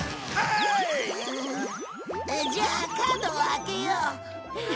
じゃあカードを開けよう。